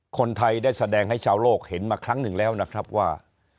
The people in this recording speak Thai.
คนไทยได้แสดงให้ชาวโลกเห็นมาครั้งหนึ่งแล้วนะครับว่า